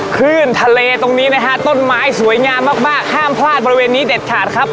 คลื่นทะเลตรงนี้นะฮะต้นไม้สวยงามมากมากห้ามพลาดบริเวณนี้เด็ดขาดครับ